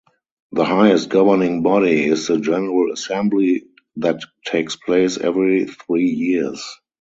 The highest governing body is the General Assembly that takes place every three years.